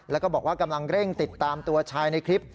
แล้วก็บอกว่ากำลังเร่งติดตามตัวชายในคลิป